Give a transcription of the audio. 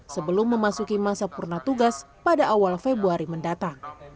sebelum memasuki masa purna tugas pada awal februari mendatang